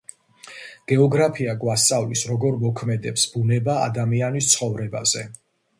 გეოგრაფია გვასწავლის, როგორ მოქმედებს ბუნება ადამიანის ცხოვრებაზე.